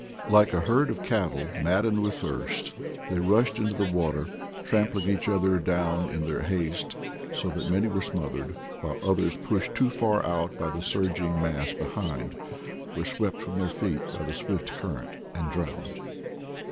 Like a herd of cattle maddened with thirst, they rushed into the water, trampling each other down in their haste, so that many were smothered, while others, LIFE IN PATAGONIA 91 pushed too far out by the surging mass behind, were swept from their feet by the swift current and drowned.